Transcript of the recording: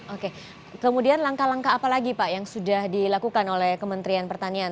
oke kemudian langkah langkah apa lagi pak yang sudah dilakukan oleh kementerian pertanian